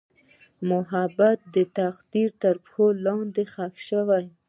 محبت مې د تقدیر تر پښو لاندې ښخ شو.